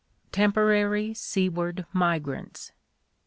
Temporary Seaward Migrants.